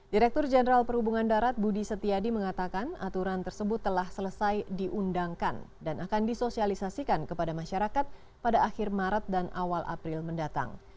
direktur jenderal perhubungan darat budi setiadi mengatakan aturan tersebut telah selesai diundangkan dan akan disosialisasikan kepada masyarakat pada akhir maret dan awal april mendatang